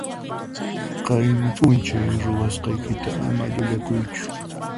Qayna p'unchay ruwasqaykita ama llullakuychu.